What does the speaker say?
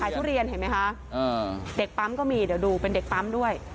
ทุเรียนเห็นไหมคะเด็กปั๊มก็มีเดี๋ยวดูเป็นเด็กปั๊มด้วย